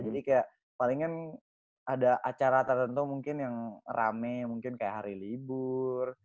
jadi kayak palingan ada acara tertentu mungkin yang rame mungkin kayak hari libur